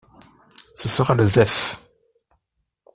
Ce sera le Zef.